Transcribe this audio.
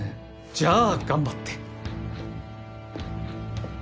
じゃあ頑張って。